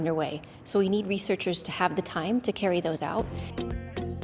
jadi kita butuh penelitian untuk memiliki waktu untuk mengembalikannya